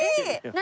何？